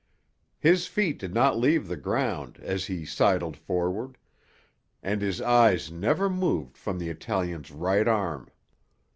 His feet did not leave the ground as he sidled forward, and his eyes never moved from the Italian's right arm.